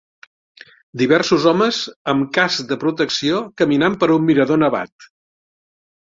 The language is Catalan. Diversos homes amb cas de protecció caminant per un mirador nevat.